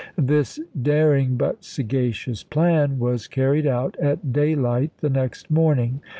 This daring but sagacious plan was car ried out at daylight the next morning.